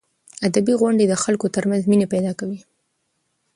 ادبي غونډې د خلکو ترمنځ مینه پیدا کوي.